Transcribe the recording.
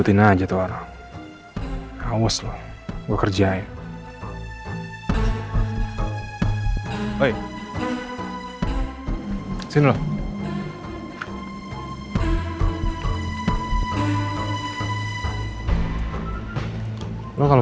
temen temen bisa sharing ya buat ditaro